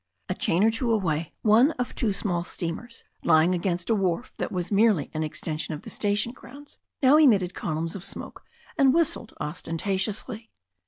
A chain or two away one of two small steamers, lying against a wharf that was merely an extension of the sta tion grounds, now emitted columns of smoke and whistled ostentatiously.